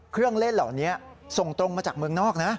เครื่องเล่นเหล่านี้ส่งตรงมาจากเมืองนอกนะ